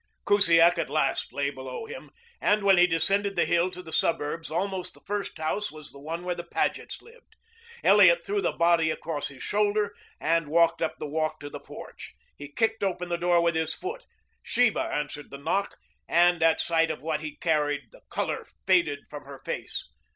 Kusiak at last lay below him, and when he descended the hill to the suburbs almost the first house was the one where the Pagets lived. Elliot threw the body across his shoulder and walked up the walk to the porch. He kicked upon the door with his foot. Sheba answered the knock, and at sight of what he carried the color faded from her face.